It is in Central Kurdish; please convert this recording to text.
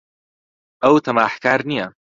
ئەو تەماحکار نییە.